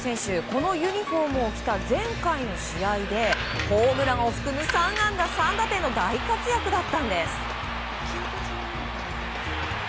このユニホームを着た前回の試合で、ホームランを含む３安打３打点の大活躍だったんです。